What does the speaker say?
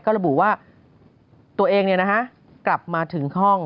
ระบุว่าตัวเองกลับมาถึงห้อง